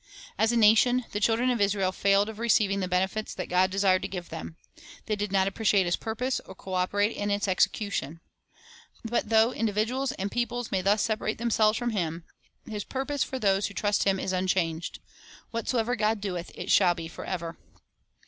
As a nation the children of Israel failed of receiving the benefits that God desired to give them. They did not appreciate His purpose or co operate in its execution. But though individuals and peoples may thus separate themselves from Him, His purpose for those who trust Him is unchanged. " Whatsoever God doeth, it shall be forever."